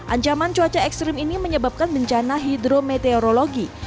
ancaman cuaca ekstrim ini menyebabkan bencana hidrometeorologi